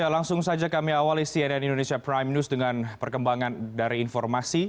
langsung saja kami awali cnn indonesia prime news dengan perkembangan dari informasi